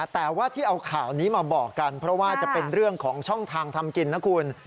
แต่ว่าที่เอาข่าวนี้มาบอกกันเพราะว่าจะเป็นเรื่องของช่องทางทำกินนะคุณ